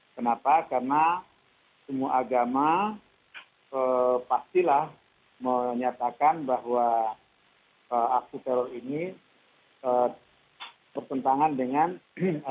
kenapa karena semua agama pastilah menyatakan bahwa aksi teror ini bertentangan dengan agama